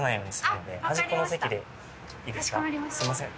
すいません